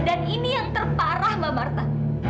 ini yang terparah mbak marta